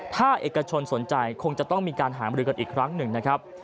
ถ้าเอกชนสนใจคงจะต้องมีการหามรือกันอีกครั้งหนึ่งนะครับ